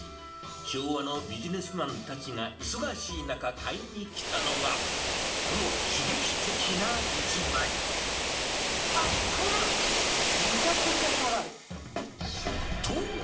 昭和のビジネスマンたちが忙しい中買いに来たのが、この刺激的なうわ！